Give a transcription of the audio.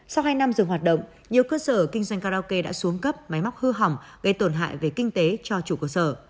sau hai năm dừng hoạt động nhiều cơ sở kinh doanh karaoke đã xuống cấp máy móc hư hỏng gây tổn hại về kinh tế cho chủ cơ sở